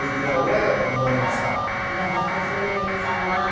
いや絶対それなりにするなぁ。